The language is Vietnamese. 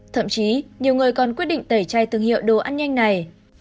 thậm chí nhiều người còn quyết định tẩy chay thương hiệu đồ ăn nhanh này